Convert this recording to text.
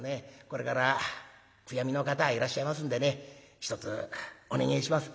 これから悔やみの方いらっしゃいますんでねひとつお願えします」。